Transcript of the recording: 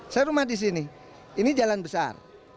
saya rumah di sini ini jalan besar